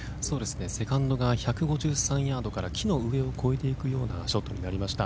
セカンドが１５３ヤードから木の上を越えていくようなショットになりました。